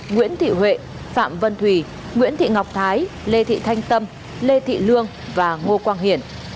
nguyễn thị huệ phạm vân thùy nguyễn thị ngọc thái lê thị thanh tâm lê thị lương và ngô quang hiển